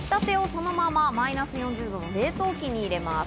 焼きたてをそのままマイナス４０度の冷凍機に入れます。